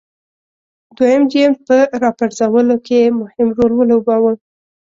دویم جېمز په راپرځولو کې یې مهم رول ولوباوه.